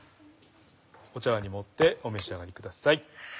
茶わんに盛ってお召し上がりください。